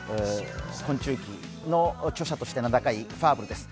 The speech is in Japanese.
「昆虫記」の著者として名高いファーブルです。